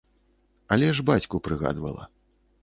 Але ж бацьку прыгадвала.